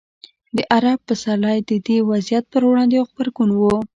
د عرب پسرلی د دې وضعیت پر وړاندې یو غبرګون و.